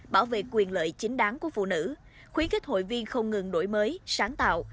bảo vệ quyền lợi chính đáng của phụ nữ khuyến khích hội viên không ngừng đổi mới sáng tạo